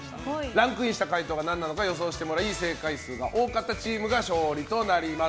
ランクインした回答が何なのか解答してもらい正解数が多かったチームが勝利となります。